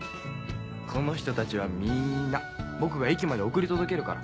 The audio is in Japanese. この人たちはみんな僕が駅まで送り届けるから。